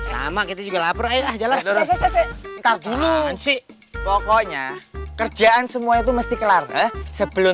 lama kita juga lapar aja lalu entar dulu sih pokoknya kerjaan semua itu mesti kelar sebelum